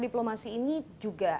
diplomasi ini juga